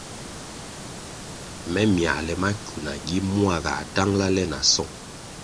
Me myale mackwu nagi mua gā tangʼla le na song.